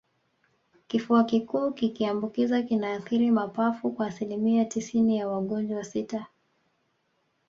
Kifua kikuu kikiambukiza kinaathiri mapafu kwa asilimia tisini ya wagonjwa sita